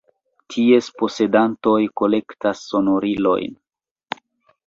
Ties posedantoj kolektas sonorilojn.